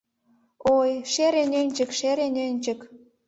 Ой, шере нӧнчык, шере нӧнчык